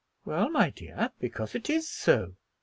"Well, my dear, because it is so.